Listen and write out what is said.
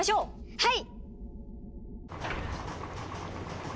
はい！